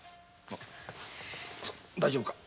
大丈夫か？